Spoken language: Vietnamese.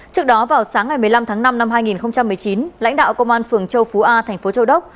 trước đó vào sáng ngày một mươi năm tháng năm năm hai nghìn một mươi chín lãnh đạo công an phường châu phú a thành phố châu đốc